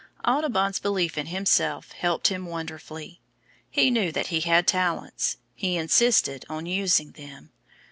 Audubon's belief in himself helped him wonderfully. He knew that he had talents, he insisted on using them.